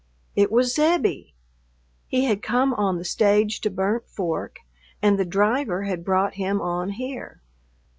It was Zebbie. He had come on the stage to Burnt Fork and the driver had brought him on here....